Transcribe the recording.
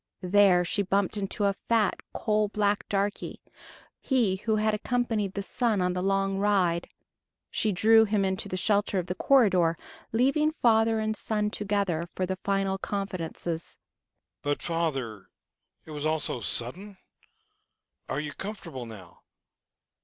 There she bumped into a fat, coal black darky, he who had accompanied the son on the long ride. She drew him into the shelter of the corridor, leaving father and son together for the final confidences. "But, father, it was all so sudden? Are you comfortable now?